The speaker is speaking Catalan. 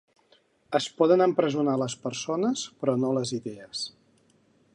Es poden empresonar les persones però no les idees.